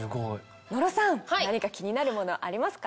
野呂さん何か気になるものありますか？